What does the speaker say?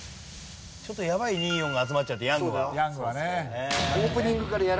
ちょっとやばい２４が集まっちゃってヤングが。